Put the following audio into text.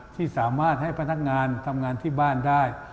ที่สามารถให้พนักงานทำงานที่บ้านได้